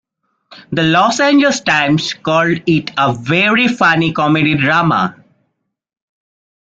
"The Los Angeles Times" called it "a very funny comedy-drama".